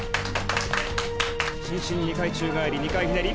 伸身２回宙返り２回ひねり。